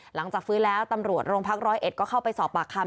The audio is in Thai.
หลังจากฟื้นแล้วตำรวจโรงพักร้อยเอ็ดก็เข้าไปสอบปากคำ